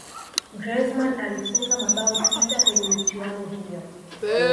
griezmann alifunga mabao sita kwenye michuano hiyo